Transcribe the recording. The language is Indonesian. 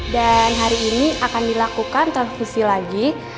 dan hari ini akan dilakukan transfusi lagi